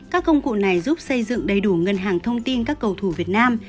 các công cụ này giúp xây dựng đầy đủ ngân hàng thông tin các cầu thủ việt nam